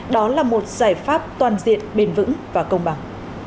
đó là một giải pháp toàn diện bền vững và công bằng